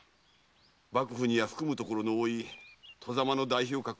幕府にはふくむところの多い外様の代表格の薩摩が。